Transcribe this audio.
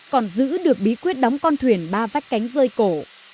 còn giữ được bí quyết đóng con thuyền ba vách cánh rơi cổ